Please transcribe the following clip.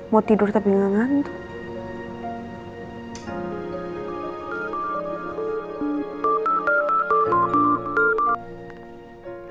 mau tidur tapi nggak ngantuk